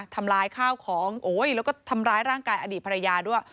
ทำร้ายข้าวของแล้วก็ทำร้ายร่างกายอดีตภรรยาด้วย